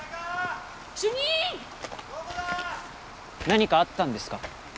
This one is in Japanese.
何かあったんですか？